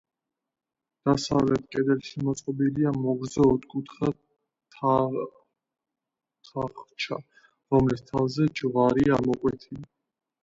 დასავლეთ კედელში მოწყობილია მოგრძო, ოთხკუთხა თახჩა, რომლის თავზე ჯვარია ამოკვეთილი.